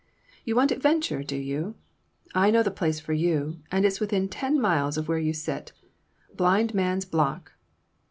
"You want adventure, do you? I know the place for you, and its within ten miles of where you sit. Blind Man's Block!"